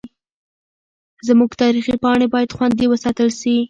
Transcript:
زموږ تاریخي پاڼې باید خوندي وساتل سي.